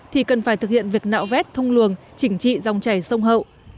thì cần phải thực hiện việc nạo vét thông luồng chỉnh trị dòng chảy sông hậu